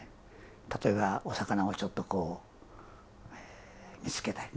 例えばお魚をちょっとこう煮つけたりね。